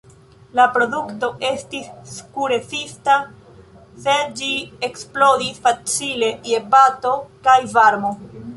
La produkto estis sku-rezista, sed ĝi eksplodis facile je bato kaj varmo.